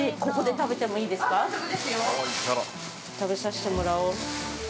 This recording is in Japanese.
◆食べさせてもらおう。